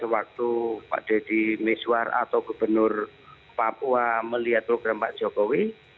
waktu pak deddy miswar atau gubernur papua melihat program pak jokowi